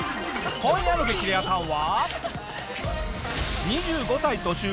今夜の『激レアさん』は。